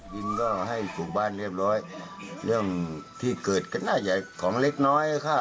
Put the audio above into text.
ดินก็ให้ปลูกบ้านเรียบร้อยเรื่องที่เกิดก็น่าจะของเล็กน้อยค่ะ